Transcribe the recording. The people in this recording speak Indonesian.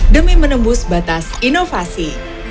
demi menembus batas inovasi